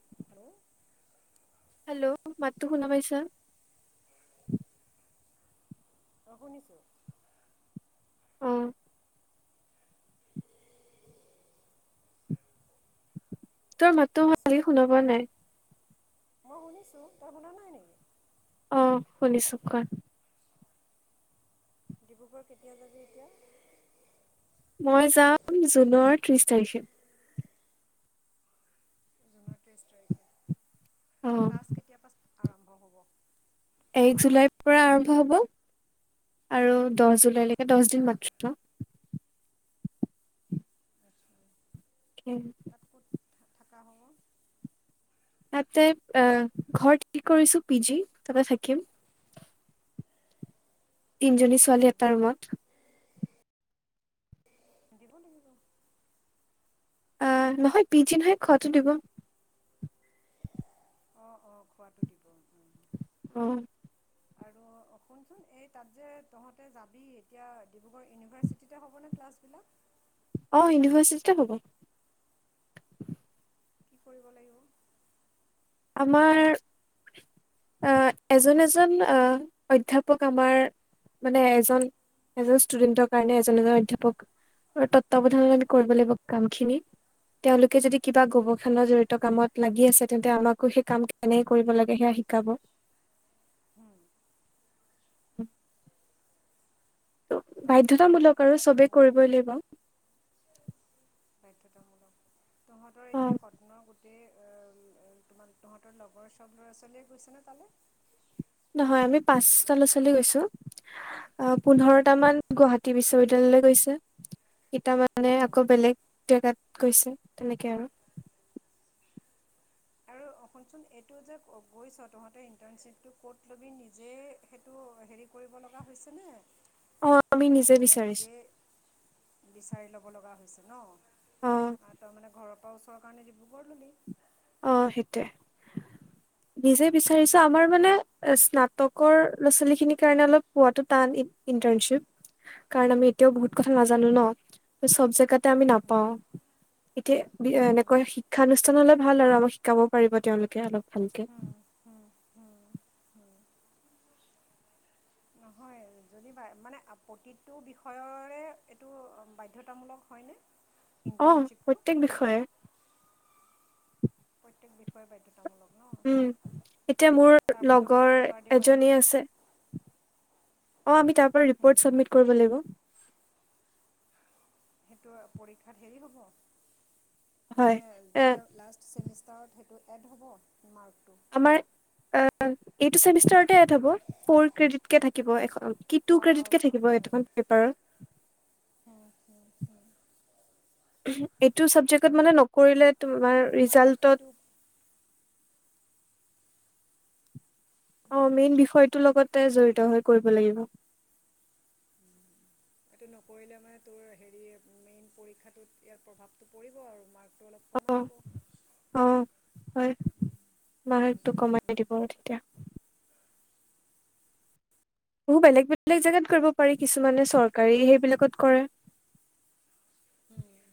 [unintelligible] Hello! মাতটো শুনা পাইচা? অ', শুনিছো। অ'। তোৰ মাতটো কচোন ভালকে শুনা এতিয়া পোৱা নাই। [unintelligible] তয় শুনা নাই নেকি? অ', শুনিছোঁ কোৱা ডিব্ৰুগড় কেতিয়া যাবি এতিয়া? মই যাম জুনৰ ত্ৰিশ তাৰিখে। জুনৰ এিশ তাৰিখে। অ ক্লাছ কেতিয়াৰ পৰা আৰম্ভ হব? এক জুলাইৰ পৰা আৰম্ভ হব, আৰু দহ জুলাইলৈকে দহ দিন মান [unintelligible] [unintelligible] [unintelligible] তাতে অ', ঘৰত কি কৰিছো পি জি তাতে থাকিম। তিনজনী ছোৱালী এটা ৰুমত। [unintelligible] অ', নহয় পি জি নহয় খোৱাটো দিব। অ', অ', খোৱাতটো দিব। অ'। অ', শুনচোন এই তাত যে তহঁতে যাবি এতিয়া ডিব্ৰুগড় ইউনিভাৰ্চিটিতে হ'বনে ক্লাছবিলাক? অ', ইউনিভাৰ্চিটিতে হ'ব। কি কৰিব লাগিব? আমাৰ অ', এজন এজন অ', অধ্যাপক আমাৰ মানে এজন এজন ষ্টুডেন্টৰ কাৰণে এজন এজন অধ্যাপক। আৰু তত্বাৱধানত আমি কৰিব লাগিব কাম খিনি। তেওঁলোকে যদি কিবা গবেষণা জড়িত কামত লাগি আছে তেন্তে আমাক কে সেই কাম কেনেকে কৰিব লাগে সেয়া শিকাব। [inaudible] তাৰপিছত তহঁতে বাধ্যয়তামূলক আৰু চবে কিবা কৰিবই লাগিব। বাধ্যতামূলক তহঁতৰ অ এতিয়া কটনৰ তে তহঁতৰ লগৰ চব ল'ৰা ছোৱালীয়ে গৈছে নে তালৈ? নহয় আমি পাঁচটা ল'ৰা ছোৱালী গৈছো হুম পোন্ধৰটা মান গুৱাহাটী গুৱাহাটী বিশ্ববিদ্যালয়লৈ গৈছে ইতা মানে হুম আকৌ বেলেগ জেগাত গৈছে তেনেকে আৰু। [inaudible] সোন চোন এইটো যে গইচ তহতে ইন্টাৰ্নছিপ তো কত লবি নিজে সেইটো হেৰি কৰিব লগা হৈছে নে? অ', আমি নিজে বিচাৰিছো। হব লগা হৈছে ন, অ তাৰ মানে ঘৰৰ পৰা ওচৰৰ কাৰণে ডিব্ৰুগড়ত ল'লি। অ', সেইটোৱে। নিজে বিচাৰিছে আমাৰ মানে এ স্নাতকৰ ল'ৰা ছোৱালী খিনিৰ কাৰণে অলপ পোৱাটো টান ইন্টাৰ্নশিপ, কাৰণ আমি এতিয়াও বহুত হুম কথা নাজানো ন। চব জেগাতে আমি হুম হুম নাপাও। এতিয়া হুম এনেকোৱা শিক্ষানুষ্ঠান অলপ ভাল আৰু আমাক শিকাব পাৰিব তেওঁলোকে অলপ ভালকে। হুম হুম হুম হুম নহয়। যদি মানে প্ৰতিটো বিষয়ৰে এইটো বাধ্যয়তামূলক হয়নে? অ', ইণ্টাৰ্ণশ্বিপটো প্ৰত্যেক বিষয়ে। [inaudible] উম, এতিয়া মোৰ তাৰপৰা তহঁতে লগৰ পেপাৰ দিব লাগিব এজনী আছে অ' আমি তাৰপৰা হুম, ৰিপৰ্ট চাবমিট কৰিব লাগিব। সেইটো পৰীক্ষাত হেৰি হ'ব? মানে হয় এ যেতিয়া লাষ্ট চেমিষ্টাৰত সেইটো এড হ'ব, মাৰ্ক ও, এইটো চেমিষ্টাৰত তে এড হ'ব। ফ'ৰ ক্ৰেডিটকে থাকিব এখ কি টু অঁ ক্ৰেডিতকে থাকিব আচ্ছা [unintelligible] খন পেপাৰত। হুম, হুম, [inaudible] হুম। এইটো ছাবজেক্টত মানে নকৰিলে আৰু তোমাৰ তোৰ মানে ৰিজাল্টত বিষয়টো অ, মেইন বিষয়টো লগতে জড়িত হৈ কৰিব লাগিব। এইটো নকৰিলে মানে তোৰ হেৰি মেইন পৰীক্ষাটোত ইয়াৰ প্ৰভাৱটো পৰিব আৰু মাৰ্ক অলপ কম অ আহিব! অ', হয়, [unintelligible] টো উম, কমাই উম। দিব তেতিয়া। হু বেলেগ বেলেগ জেগাত কৰিব পাৰি, আৰু কিছুমানে চৰকাৰী সেইবিলাকত কৰে [inaudible] উম,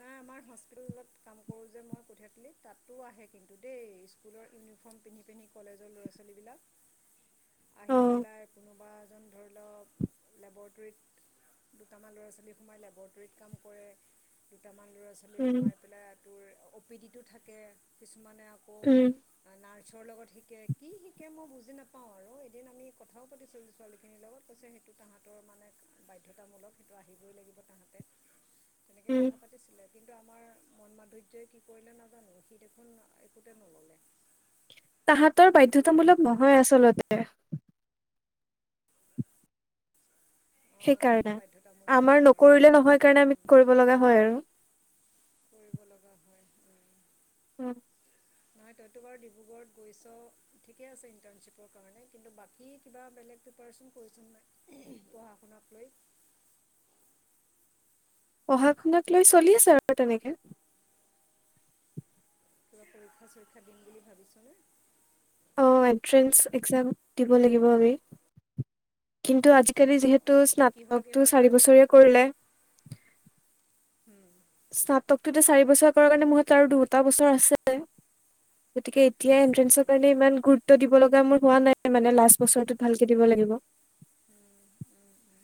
নাই আমাৰ হস্পিতাললত কাম কৰোঁ যে মই কঠিয়াতলি, তাতো আহে কিন্তু দেই স্কুলৰ ইউনিফৰ্ম পিন্ধি পিন্ধি কলেজৰ ল'ৰা ছোৱালী বিলাক [inaudible] আহি পেলাই কোনোবা এজন ধৰি লওক ৱতৰিত, দুটা মান লৰা ছোৱালী সোমাই লেবতৰিত কাম কৰে, দুটাম মান ল'ৰা ছোৱালী উম সোমাই পেলাই তোৰ অ'- পি-ডি টো থাকে মানে আকৌ, উম নাৰ চৰ লগত শিঁকে, কি শিঁকে মই বুজি নাপাওঁ আৰু এদিন আমি কথাও পাতিছিলোঁ ছোৱালীখিনিৰ লগত, কৈছে টো তাহাঁতৰ মানে বাধ্যতামূলক, সেইটো আহিবই লাগিব তাহাঁতে। উম। এ কিন্তু আমাৰ মন মাধুৰ্যই কি কৰিলে নাজানো, সি দেখোন একোতে নললে। তাহাঁতৰ ডিব্ৰুগড় বাধ্যতামূলক নহয় আচলতে। অঁ তাহাঁতৰ সেইকাৰণে। বাধ্যতামূলক আমাৰ নহয় নকৰিলে নহয় কাৰণে আমি কৰিব লগা হয় আৰু। কৰিব লগা হয়, উম। উম। নহয় তইতো বাৰু ডিব্ৰুগড়ত গৈছ ঠিকে আছে ইন্টাৰ্নশ্বিপৰ কাৰণে, কিন্তু বাকী কিবা বেলেগ প্ৰিপাৰেচন কৰিছ নাই, পঢ়া শুনাক লৈ? [inaudible] পঢ়া শুনাক লৈ চলি আছে আৰু তেনেকে। কিবা পৰীক্ষা- চৰীক্ষা দিম বুলি ভাৱিছ নে? অ', এণ্ট্ৰেন্স এক্সেম দিব লাগিব ৰে, কিন্তু আজিকালি যিহেত অঁ তু‌‌ এতিয়া কিহৰ স্নাতকটো কিহৰ চাৰি কাৰণে বছৰে কৰিলেঁ স্নাতকটোতো চাৰি বছৰ কৰা কাৰণে মোৰ হাতত আৰু দুটা বছৰ আছে গতিকে এতিয়া আছে এন্ট্ৰেন্ঞ্চৰ কাৰণে ইমান গুৰুত্ব দিব লগ মোৰ হোৱা নাই মানে লাষ্ট বছৰটো ভালকে দিব লাগিব।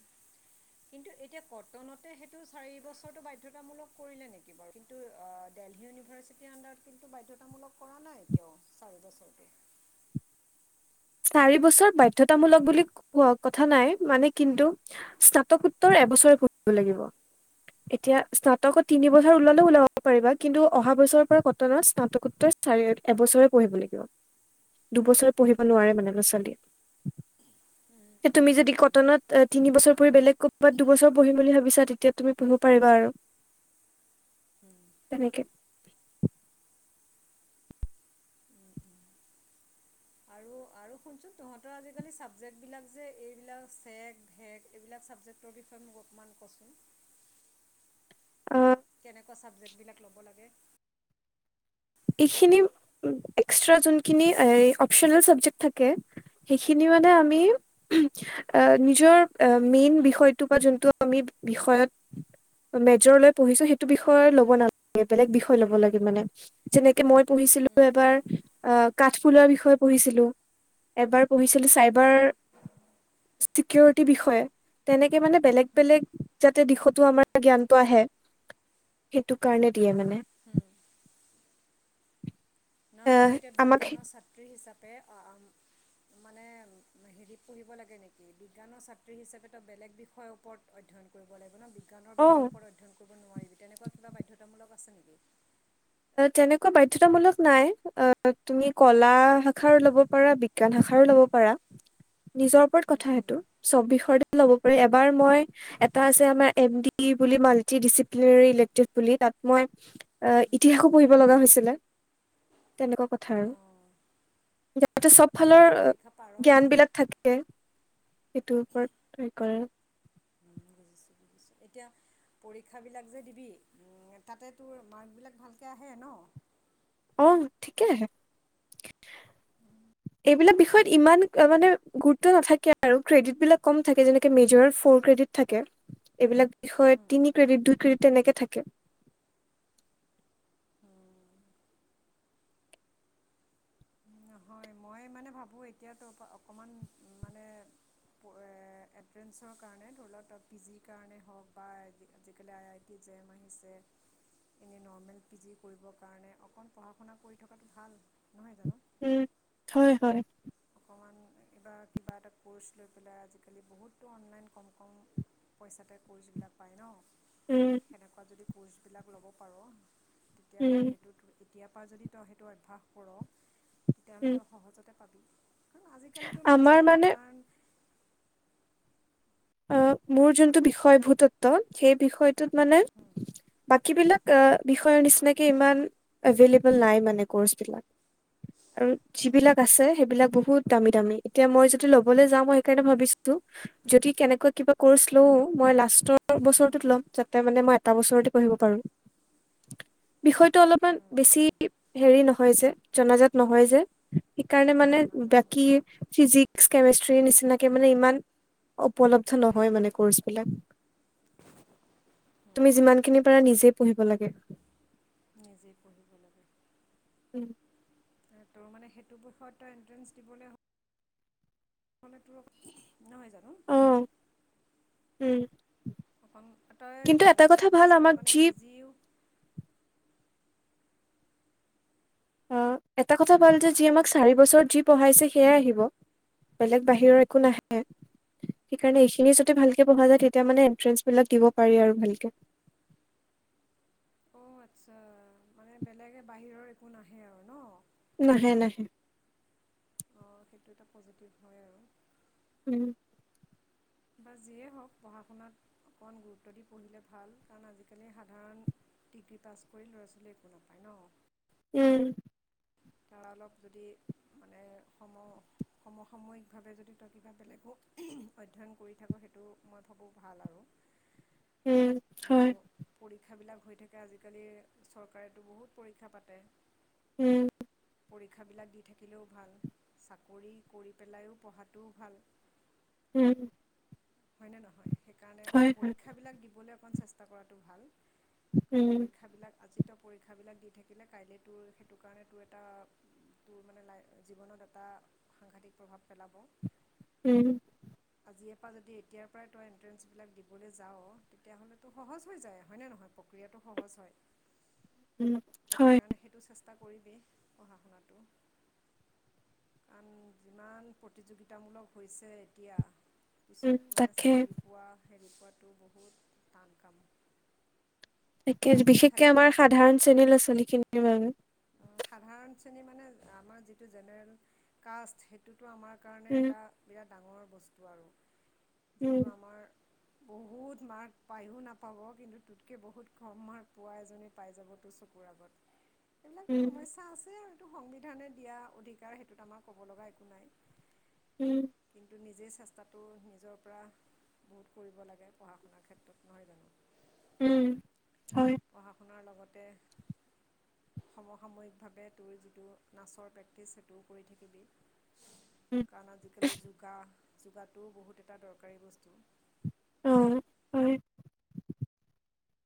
[inaudible] কিন্তু এতিয়া কটনতে সেইটো চাৰি বছৰটো বাধ্যতামূলক কৰিলে নেকি বাৰু? কিন্তু আ ডেলহি ইউনিভাৰ্চিটি আণ্ডৰত কিন্তু বাধ্যতামূলক কৰা নাই এতিয়াও চাৰি বছৰতে। [inaudible] চাৰি বছৰ বাধ্যতামূলক বুলি ক কথা নাই মানে কিন্তু, স্নাতকোত্তৰ এবছৰে পঢ়িব লাগিব। এতিয়া স্নাতকত তিনি বছৰ ওলালেও ওলাব পাৰিবা, কিন্তু অহা বছৰৰ পৰা কটনত স্নাতকোত্তৰ [unintelligible] এবছৰে পঢ়িব লাগিব, দুবছৰে পঢ়িব নোৱাৰে মানে ল'ছালীয়ে। উম তুমি উম যদি উম কটনত এ তিনিবছৰ বেলেগ ক'ৰবাত দুবছৰ বহিম বুলি ভাবিছা তেতিয়া তুমি পঢ়িব পাৰিবা আৰু। উম তেনেকে। উম উম আৰু শুনচোন তহঁতৰ আজিকালি চাবজেক্ট বিলাক যে এইবিলাক ভ এইবিলাক চাবজেক্টৰ বিষয়ে মোক অকণমান ক'চোন। [inaudible] অ কেনেকুৱা চাবজেক্ট বিলাক ল'ব লাগে? এইখিনি এক্সট্ৰা যিখিনি অ'ৱচনেল চাবজেক্ত থাকে সেইখিনি মানে আমি নিজৰ মেইন বিষয়টো বা যোনটো আমি বিষয়ত মেজৰ লৈ পঢ়িছো সেইটো বিষয় ল'ব নালাগে বেলেগ হুম বিষয় ল'ব লাগে মানে। যেনেকে মই পঢ়িছিলো হুম হুম এবাৰ অ', কাঠফুলাৰ বিষয়ে পঢ়িছিলো। এবাৰ পঢ়িছিলো হুম চাইবাৰ চিকিৰিটিৰ বিষয়ে তেনেকে কে মানে বেলেগ হুম বেলেগ যাতে দিশতো আমাৰ জ্ঞানটো আহে। সেইটো কাৰণে দিয়ে মানে। হুম নহ আহ তই এতিয়া আমাক বিজ্ঞানৰ ছাত্ৰী হিচাপে [inaudible] মানে হেৰি পঢ়িব লাগে নেকি বিজ্ঞানৰ ছাত্ৰী হিচাপেত তো বেলেগ বিষয়ৰ ওপৰত অধ্যয়ন কৰিব লাগিব ন'। বিজ্ঞানৰ অ বিষয়ৰ ওপৰত অধয়ন কৰিব নোৱাৰিবি তেনেকুৱা কিবা বাধ্যতামূলক আছে নেকি? তেনেকুৱা বাধ্যতামূলক নাই অ', তুমি কলা শাখাৰও ল'ব পাৰা বিজ্ঞান শাখাৰও ল'ব প পাৰা নিজৰ ওপৰত কথা সেটো চব বিষয়ৰ ল'ব পাৰি এবাৰ মই এটা আছে আমাৰ এম ডি বুলি মাল্টি ডিচিপ্ললেট বুলি। মই অ'। ইতিহাসো পঢ়িব লগা হৈছিলে তেনেকুৱা কথা আৰু। অঁ তাতে চব ফালৰ এইটো পৰীক্ষা জ্ঞান পাৰনে বিলাক থাকে। সেইটোৰ ওপৰত ত' কৰে- উম, বুজিছোঁ [inaudible] বুজিছোঁ এতিয়া। পৰীক্ষাবিলাক যে দিবি তাতে তোৰ মাৰ্কবিলাক ভালকৈ আহে ন'? অ', ঠিকে আহে। এইবিলাক বিষয়ত ইমান মানে গুৰুত্ব নাথাকে আৰু ক্ৰেডিট বিলাক কম থাকে যেনেকে মেজৰ ফ'ৰ ক্ৰেডিট থাকে এইবিলাক বিষয়ে উম, উম। তিনি ক্ৰেডিট দুই ক্ৰেডিট তেনেকে থাকে। [inaudible] নহয় মই মানে ভাবোঁ এতিয়াতো অকণমান মানে এণ্ট্ৰেঞ্চৰ কাৰণে ধৰি লওঁক পি জিৰ কাৰণে হওক বা আজিকালি আই আই টি মাহিছে এনে নৰ্মেল পি জি কৰিবৰ কাৰণে অকন পঢ়া শুনা কৰি থকাটো ভাল, নহয় জানো। উম, হয়, হয়। [inaudible] বা কিবা এটা ক'ৰ্চ লৈ পেলাই আজিকালি বহুতো অনলাইন কম কম পইচাতে কৰ্চবিলাক পায় উম, ন' সেনেকুৱা যদি কোৰ্চ বিলাক ল'ব পাৰো তেতিয়া উম, হ'লে সেইটোত কেতিয়াৰ পৰা যদি তই সেইটো অভ্যাস কৰ তেতিয়াহ'লে উম, তই সহজতে পাবি। কাৰ আজিকালিতো আমাৰ ল'ৰা-ছোৱালীয়ে মানে সাধাৰণ উম, মোৰ যোনটো বিষয় ভূতত্ব সেই বিষয়টোত মানে হুম বা কিবিলাক বিষয়ৰ নিচিনাকে ইমান এভেইলেবল নাই মানে ক'ৰ্চ বিলাক। আৰু হুম যিবিলাক আছে হুম সেইবিলাক বহুত দামী দামি এতিয়া মই যদি ল'বলৈ যাওঁ মই সেইকাৰণে ভাবিছো যদি। কেনেকুৱা কিবা ক'ৰ্চ লওঁ মই লাষ্টৰ বছৰটোত হুম ল'ম যাতে মানে মই এটা বছৰতে পঢ়িব পাৰো। বিষয়টো অলপমান উম বেছি উম হেৰি নহয় যে জনাজাত নহয় যে। সেইকাৰণে মানে জনাজাত বাকী নহয় ফিজিক্স, কেমেষ্ট্ৰি নিচিনাকে মানে ইমান উপলব্ধ নহয় মানে কৰ্চ বিলাক তুমি উম উম যিমানখিনিৰ পাৰা নিজেই পঢ়িব লাগে। নিজেই পঢ়িব লাগে। উম। তোৰ মানে সেইটো বিষয়ত তই এণ্ট্ৰেঞ্চ দিবলৈ হ' অকলে তোৰ নহয় [unintelligible] অ', উম। অকণ তই কিন্তু এটা কথা ভাল মাষ্টৰ আমাক মানে যি পি জিও অ', এটা কথা ভাল যে যি আমাক চাৰি বছৰ যি পঢ়াইছে সেয়াই আহিব বেলেগ বাহিৰৰ একো নাহে। সেইকাৰণে এইখিনি যদি ভালকে পঢ়া যায় তেতিয়া মানে এন্ট্ৰেন্ঞ্চবিলাক দিব পাৰি আৰু ভালকে। [inaudible] অ', আচ্ছা মানে বেলেগে বাহিৰৰ একো নাহে ন'। নাহে নাহে। [unintelligible] উম। বা যিয়ে হওক পঢ়া- শুনাত অকনমান গুৰুত্ব দি পঢ়িলে ভাল, কাৰণ আজিকালি সাধাৰণ ডিগ্ৰী পাছ কৰি ল'ৰা -ছোৱালী একো নাপায় ন'। উম। তাৰ অলপ যদি মানে সম সমসাময়িকভাৱে যদি তই কিবা বেলেগ [unintelligible] অধ্যায়ন কৰি থাক সেইটো মই ভাবো ভাল আৰু উম আৰু হয় পৰীক্ষাবিলাক হৈ থাকে আজিকালি চৰকাৰেতো বহুত পৰীক্ষা পাতে উম। পৰীক্ষাবিলাক দি থাকিলেও ভাল চাকৰি কৰি পেলায়ো পঢ়াটো ভাল। উম। হয়নে নহয় সেইকাৰণে হয় হয় পৰীক্ষাবিলাক দিবলৈ অকণ চেষ্টা কৰাটো ভাল। কাৰণ উম পৰীক্ষাবিলাক আজি পৰীক্ষাবিলাক দি থাকিলে কাইলে তোৰ সেইটো কাৰণে তোৰ এটা তোৰ মানে লাইফ জীৱনত এটা সাংঘাতিক প্ৰভাৱ পেলাব। উম। আজি এ পা যদি তেতিয়াৰ পৰাই তই এণ্ট্ৰেন্ঞ্চবিলাক দিবলৈ যাব তেতিয়াহ'লেতো সহজ হৈ যায় হয়নে নহয় প্ৰক্ৰিয়াটো সহজ হয়। উম। হয় সেইকাৰণে সেইটো চেষ্টা কৰিবি পঢ়া শুনটো। কাৰণ যিমান প্ৰতিযোগিতামূলক হৈছে এতিয়া উম পিছত মানে তাকে চাকৰি পোৱা হেৰি পোৱাটো বহুত টান কাম। তাকে, ভাত পানী বিশেষকে খালি আমাৰ এতিয়া সাধাৰণ শ্ৰেণীৰ ল'ৰা -ছোৱালীখিনিৰ বাবে সাধাৰণ শ্ৰেণী মানে আমাৰ যিটো জেনেৰেল কাষ্ট সেইটো। সেইটো আমাৰ কাৰণে উম এটা বিৰাট ডাঙৰ বস্তু, আৰু উম যিটো আমাৰ [inaudible] বহুত মাৰ্ক পায়ো নাপাব কিন্তু তোতকৈ বহুত কম মাৰ্ক পোৱা এজনী পাই যাব তোৰ চকুৰ আগত এইবিলাকতো উম সমস্যা আছে আৰু এইটো সংবিধানে দিয়া অধিকাৰ সেইটোত আমাৰ ক'ব লগা একো নাই। উম কিন্তু নিজে চেষ্টাটো নিজৰ পৰা বহুত কৰিব লাগে পঢ়া শুনাৰ ক্ষেত্ৰত নহয় জানো? উম। হয় পঢ়া শুনাৰ লগত [inaudible] সমসাময়িকভাৱে তোৰ যিটো নাচৰ প্ৰেক্টিচ সেইটো কৰি থাকিবি। উম কাৰণ আজিকালি যোগা যোগাটোও বহুত এটা দৰকাৰী বস্তু। অ হয়।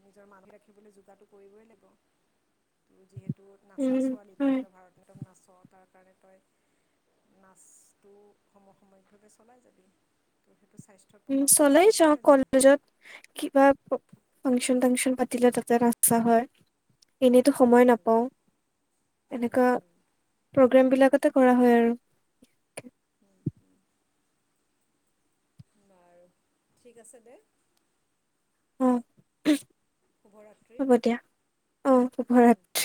নিজৰ মা [unintelligible] ৰাখিবলৈ যোগাটো কৰিবই লাগিব ত যিহে টো নাচা উম ছোৱালী তই হয় তই ভাৰতনাট্যম নাচ তাৰ কাৰণে তই নাচটো সম সামৰিক ভাবে চলাই যাবি। সেইটো স্বাস্থ্যত উম প্ৰভাৱ পৰিব চলাই যাওঁ নহয় জানো কলেজত কিবা ফাংচন-টাংচন পাতিলে তাতে নাচা হয়। এনেইতো হুম সময় হুম নাপাওঁ এনেকুৱা হুম হুম প্ৰগ্ৰেমবিলাক, তে কৰা হয় আৰু [inaudible] বাৰু ঠিক আছে দে। অ শুভৰাত্ৰি হ'ব দিয়া অ সোভৰাতী,